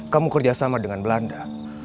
kamu kerjasama dengan belanda